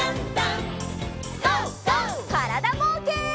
からだぼうけん。